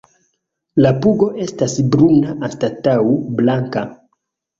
La pugo estas bruna anstataŭ blanka.